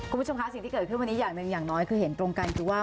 คุณผู้ชมคะสิ่งที่เกิดขึ้นวันนี้อย่างหนึ่งอย่างน้อยคือเห็นตรงกันคือว่า